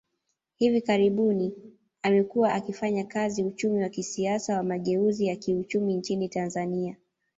Hivi karibuni, amekuwa akifanya kazi uchumi wa kisiasa wa mageuzi ya kiuchumi nchini Tanzania.